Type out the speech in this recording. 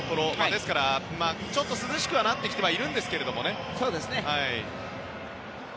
ですからちょっと涼しくはなってきているんですけどね。